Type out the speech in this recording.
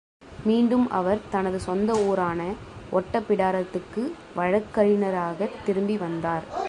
மீண்டும் அவர் தனது சொந்த ஊரான ஒட்டப்பிடாரத்துக்கு வழக்கறிஞராகத் திரும்பி வந்தார்.